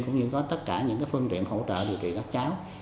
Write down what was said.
cũng như có tất cả những phương tiện hỗ trợ điều trị các cháu